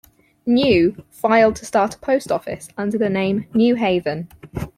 New filed to start a post office under the name New Haven.